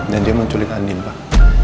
dan dia menculik andin pak